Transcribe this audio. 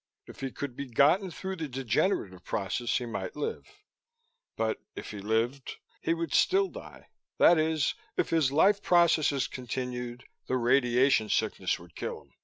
If he could be gotten through the degenerative period he might live. But, if he lived, he would still die. That is, if his life processes continued, the radiation sickness would kill him.